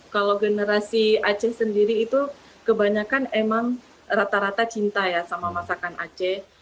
kalau generasi aceh sendiri itu kebanyakan emang rata rata cinta ya sama masakan aceh